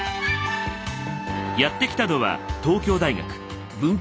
やって来たのは東京大学。